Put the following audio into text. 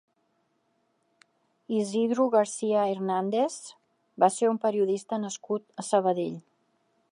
Isidro García Hernández va ser un periodista nascut a Sabadell.